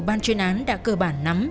ban chuyên án đã cơ bản nắm